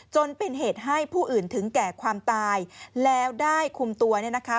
จนเป็นเหตุให้ผู้อื่นถึงแก่ความตายแล้วได้คุมตัวเนี่ยนะคะ